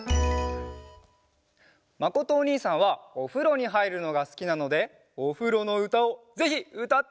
まことおにいさんはおふろにはいるのがすきなのでおふろのうたをぜひうたってほしいです！